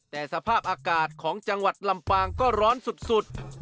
แต่สภาพอากาศของจังหวัดลำปางก็ร้อนสุด